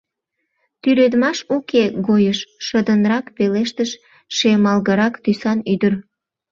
Тӱредмаш уке гойыш! — шыдынрак пелештыш шемалгырак тӱсан ӱдыр.